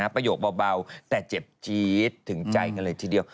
ประโยคเบาแต่เจ็บจี๊ดถึงใจกันเลยทีเดียว